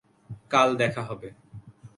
কাল দেখা হবে।